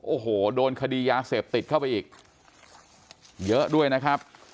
โอ้โหโดนคดียาเสพติดเข้าไปอีกเยอะด้วยนะครับ